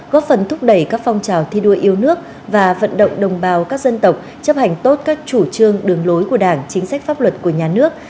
góp phần thúc đẩy các phong trào thi đua yêu nước và vận động đồng bào các dân tộc chấp hành tốt các chủ trương đường lối của đảng chính sách pháp luật của nhà nước